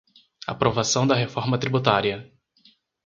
Aprovação da reforma tributária